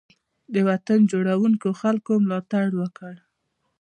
د وطن جوړونکو خلګو ملاتړ وکړئ.